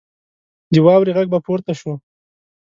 د واورې غږ به پورته شو.